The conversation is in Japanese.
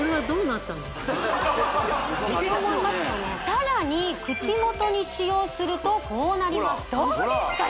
さらに口元に使用するとこうなりますどうですか？